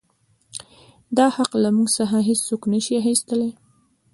دا حـق لـه مـوږ څـخـه هـېڅوک نـه شـي اخيـستلى.